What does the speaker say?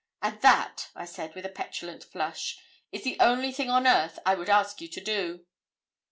'And that,' I said, with a petulant flush, 'is the only thing on earth I would ask you to do.'